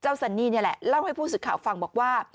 เจ้าสันนี่เนี่ยแหละเล่าให้ผู้สึกข่าวฟังบอกว่า